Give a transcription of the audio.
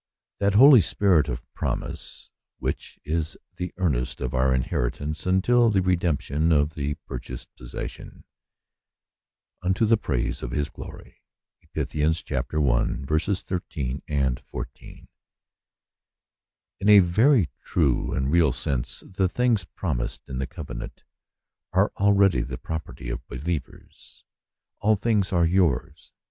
"That holy spirit of promise, which is the earnest of our inheritance until the redemption of the purchased posses sion, unto the praise of his glory." — Eph. i. 13, 14 N a very true and real s6nse the things promised in the covenant are already the property of believers. "All things are yours."